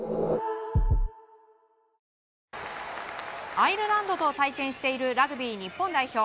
アイルランドと対戦しているラグビー日本代表。